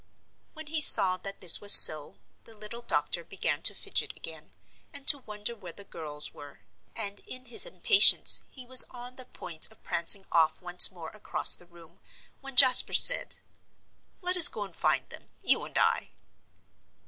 When he saw that this was so, the little doctor began to fidget again, and to wonder where the girls were, and in his impatience he was on the point of prancing off once more across the room, when Jasper said, "Let us go and find them you and I."